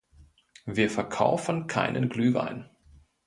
Wir verkaufen keinen Glühwein.